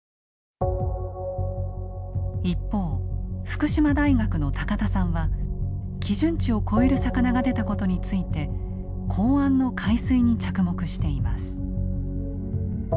一方福島大学の高田さんは基準値を超える魚が出たことについて港湾の海水に着目しています。